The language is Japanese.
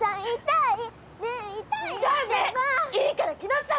いいから来なさい。